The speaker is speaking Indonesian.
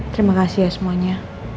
terima kasih ya semuanya